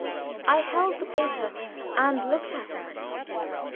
I held the paper and looked at her.